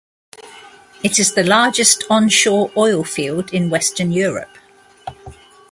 It is the largest onshore oil field in western Europe.